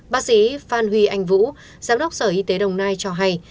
bác sĩ phan huy anh vũ giám đốc sở y tế đồng nai cho hay